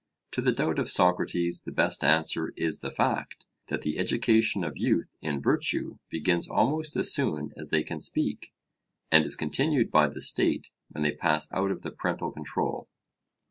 To the doubt of Socrates the best answer is the fact, that the education of youth in virtue begins almost as soon as they can speak, and is continued by the state when they pass out of the parental control.